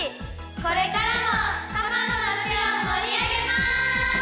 これからも多摩の街を盛り上げます！